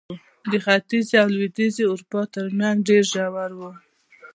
د ختیځې او لوېدیځې اروپا ترمنځ ډېر ژور و.